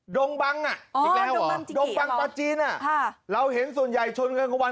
ดงบังอ่ะอีกแล้วดงบังปลาจีนเราเห็นส่วนใหญ่ชนเงินกลางวัน